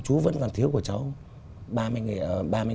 chú vẫn còn thiếu của cháu ba mươi nghìn